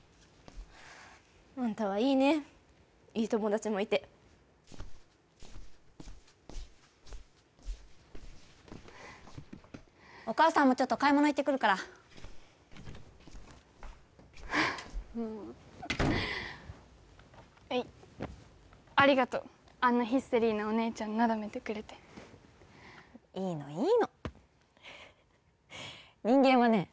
あんたはいいねいい友達もいてお母さんもちょっと買い物行ってくるからはいありがとうあんなヒステリーなお姉ちゃんなだめてくれていいのいいの人間はね